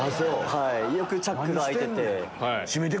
はいよくチャックが開いてて。